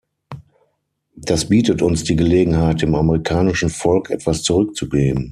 Das bietet uns die Gelegenheit, dem amerikanischen Volk etwas zurückzugeben.